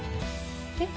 えっ？